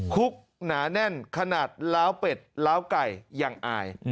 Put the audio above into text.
คุกหนาแน่นขนาดล้าวเป็ดล้าวไก่ยังอาย